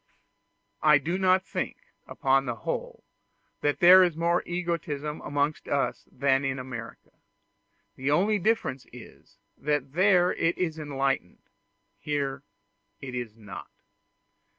I do not think upon the whole that there is more egotism amongst us than in America; the only difference is, that there it is enlightened here it is not.